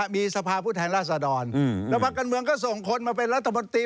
มีสภาพุทธแห่งราษฎรแล้วพักกันเมืองก็ส่งคนมาเป็นรัฐบาลมนตรี